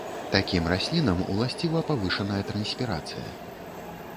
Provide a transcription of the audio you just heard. Такім раслінам уласціва павышаная транспірацыя.